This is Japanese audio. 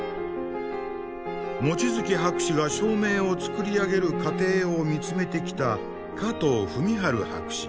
望月博士が証明を作り上げる過程を見つめてきた加藤文元博士。